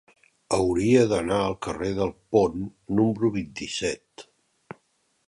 Hauria d'anar al carrer del Pont número vint-i-set.